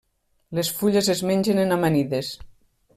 Les fulles es mengen en amanides.